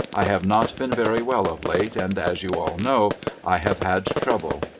I have not been very well of late and, as you all know, I have had trouble.